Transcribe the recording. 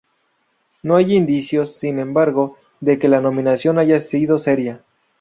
No hay indicios, sin embargo, de que la nominación haya sido seria.